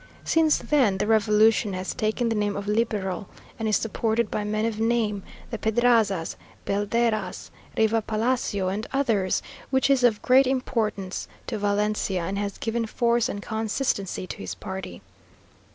Since then the revolution has taken the name of liberal, and is supported by men of name, the Pedrazas, Belderas, Riva Palacio, and others, which is of great importance to Valencia, and has given force and consistency to his party.